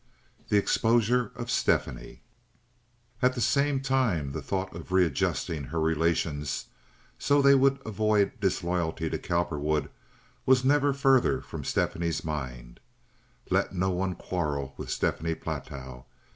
The Exposure of Stephanie At the same time the thought of readjusting her relations so that they would avoid disloyalty to Cowperwood was never further from Stephanie's mind. Let no one quarrel with Stephanie Platow.